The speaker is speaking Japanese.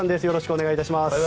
よろしくお願いします。